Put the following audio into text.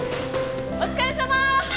お疲れさまー！